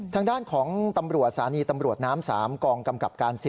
ทางด้านของตำรวจสถานีตำรวจน้ำ๓กองกำกับการ๑๐